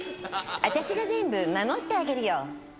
私が全部守ってあげるよ。